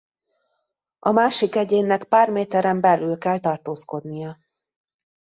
A másik egyénnek pár méteren belül kell tartózkodnia.